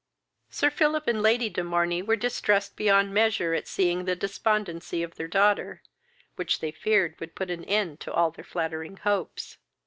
Sir Philip and Lady de Morney were distressed beyond measure at seeing the despondency of their daughter, which they feared would put and end to all their flattering hopes.